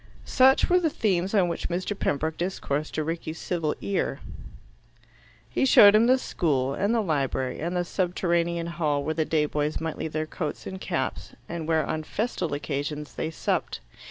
Such were the themes on which Mr. Pembroke discoursed to Rickie's civil ear. He showed him the school, and the library, and the subterranean hall where the day boys might leave their coats and caps, and where, on festal occasions, they supped.